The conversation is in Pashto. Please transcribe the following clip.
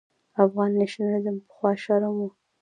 افغان نېشنلېزم پخوا شرم و.